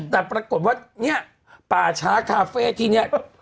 แต่ปรากฏว่าเนี่ยป่าช้าคาเฟ่ที่เนี่ย